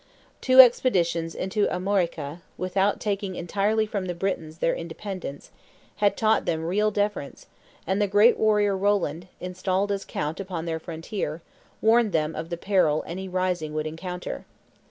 Two expeditions into Armorica, without taking entirely from the Britons their independence, had taught them real deference, and the great warrior Roland, installed as count upon their frontier, warned them of the peril any rising would encounter.